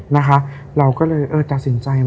นะคะเราก็เลยเออตัดสินใจ